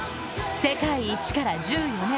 世界一から１４年。